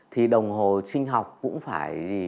thì đồng hồ sinh học cũng phải